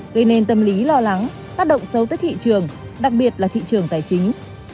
gây nên tâm lý lo lắng phát động xấu tới thị trường đặc biệt là thị trường tài chính